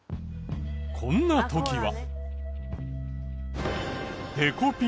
こんな時は。